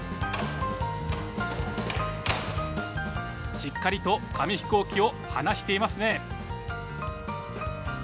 しっかりと紙飛行機を放していますね。